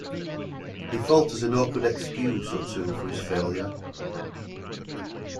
He falters an awkward excuse or two for his failure.